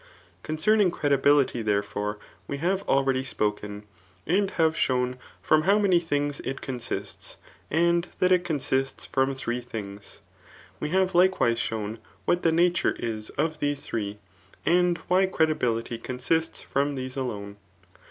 Concerning credibility, there fore, we have already spoken, and have ^own firom how many things it consists^ and that it consists fipom three things. We have likewise shown what the nature is of these three, and why q edibility consists from these alone.